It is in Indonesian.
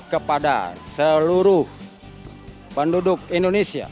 kepada seluruh penduduk indonesia